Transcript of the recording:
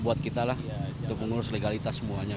buat kita lah untuk mengurus legalitas semuanya